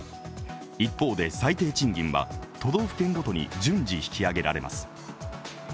一方で最低賃金は都道府県ごとに順次引き上げられます。